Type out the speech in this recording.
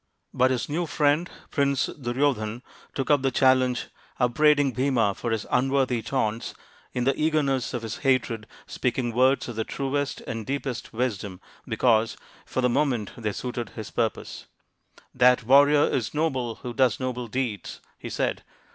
But his new friend, Prince Duryodhan, took up the challenge, upbraiding Bhima for his unworthy taunts, in the eagerness of his hatred speaking words of the truest and deepest THE FIVE TALL SONS OF PANDU 77 wisdom because, for the moment, they suited his purpose. " That warrior is noble who does noble deeds," he said.